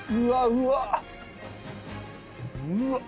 うーわっ！